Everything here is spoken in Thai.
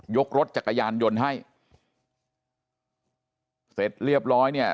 รถจักรยานยนต์ให้เสร็จเรียบร้อยเนี่ย